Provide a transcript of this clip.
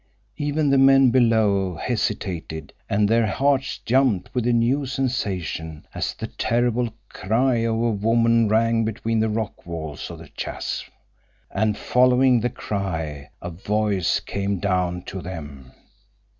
Even the men below hesitated and their hearts jumped with a new sensation as the terrible cry of a woman rang between the rock walls of the chasm. And following the cry a voice came down to them.